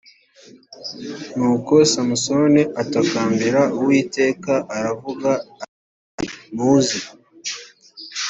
nuko samusoni atakambira uwiteka aravuga ati muze